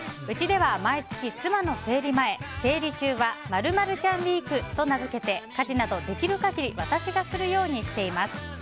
うちでは毎月、妻の生理前生理中は○○チャンウィークと名付けて家事など、できる限り私がするようにしています。